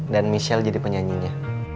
dan michelle jadi penyanyinya